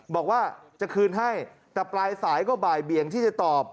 บอกว่าจะคืนให้แต่ปลายสายก็บ่ายเบียงที่จะตอบ